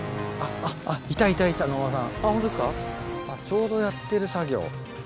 ちょうどやってる作業。